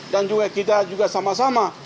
dan juga kita juga sama sama